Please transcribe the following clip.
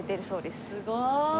すごーい！